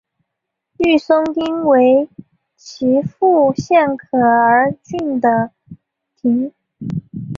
御嵩町为岐阜县可儿郡的町。